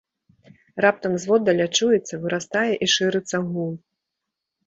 Раптам зводдаля чуецца, вырастае і шырыцца гул.